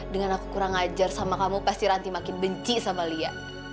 dengan aku kurang ajar sama kamu pasti ranti makin benci sama lia